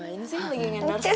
ini sih lagi endorse